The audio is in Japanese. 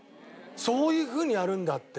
そういう風にやるんだって。